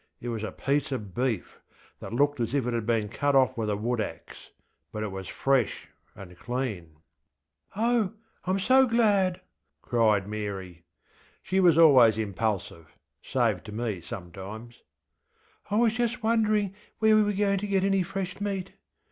It was a piece of beef, that looked as if it had been cut off with a wood axe, but it was fresh and clean. ŌĆśOh, IŌĆÖm so glad! ŌĆÖ cried Mary. She was always impulsive, save to me sometimes. ŌĆśI was just wondering where we were going to get any fresh meat.